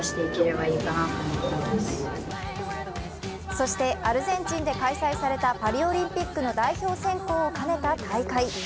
そしてアルゼンチンで開催されパリオリンピックの代表選考を兼ねた大会。